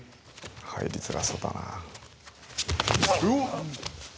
入りづらそうだな。